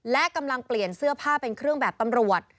และกำลังเปลี่ยนเสื้อผ้าเป็นเครื่องแบบตำรวจ